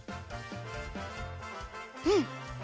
うん！